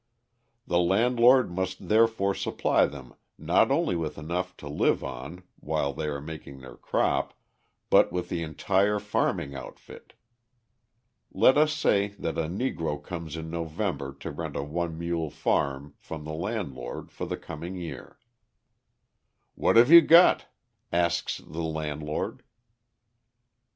The landlord must therefore supply them not only with enough to live on while they are making their crop, but with the entire farming outfit. Let us say that a Negro comes in November to rent a one mule farm from the landlord for the coming year. "What have you got?" asks the landlord.